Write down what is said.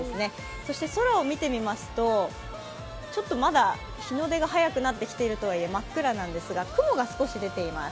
そして空を見てみますと、ちょっとまだ日の出が早くなってきているとはいえ真っ暗なんですが雲が少し出ています。